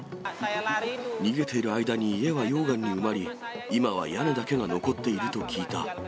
逃げている間に家は溶岩に埋まり、今は屋根だけが残っていると聞いた。